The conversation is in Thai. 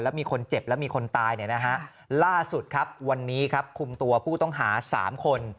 แล้วมีคนเจ็บและมีคนตายล่าสุดวันนี้คุมตัวผู้ต้องหา๓คน